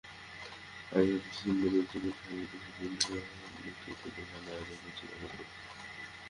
আমরা চাই, ডিসেম্বরজুড়ে সারা দেশের বন্ধুরা মুক্তিযুদ্ধ নিয়ে নানা আয়োজন পরিচালনা করবেন।